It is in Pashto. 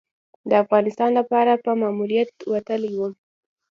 د افغانستان لپاره په ماموریت وتلی وم.